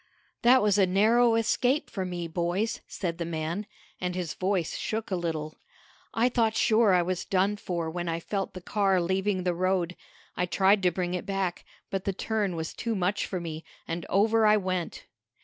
"That was a narrow escape for me, boys," said the man, and his voice shook a little. "I thought sure I was done for when I felt the car leaving the road. I tried to bring it back, but the turn was too much for me, and over I went."